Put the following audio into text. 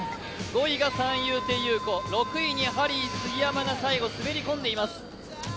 ５位が三遊亭遊子、６位にハリー杉山が滑り込んでいます。